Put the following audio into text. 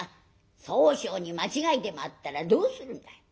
宗匠に間違いでもあったらどうするんだい」。